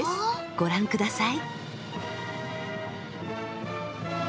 ご覧ください。